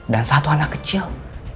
dan satu anak kecil